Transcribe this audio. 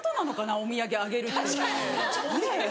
お土産あげるってねぇ。